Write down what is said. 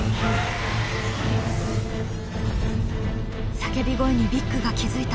・叫び声にビッグが気付いた。